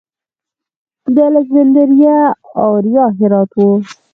د الکسندریه اریا هرات و